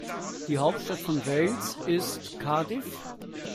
Die Hauptstadt von Wales ist Cardiff.